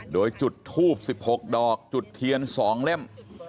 โดยจุดทูบ๑๖ดอกจุดเทียน๒เล่ม